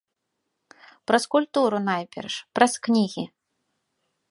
Праз культуру, найперш, праз кнігі.